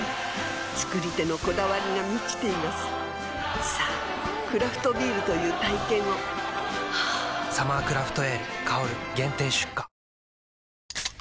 造り手のこだわりが満ちていますさぁクラフトビールという体験を「サマークラフトエール香」限定出荷